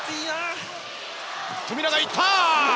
富永いった！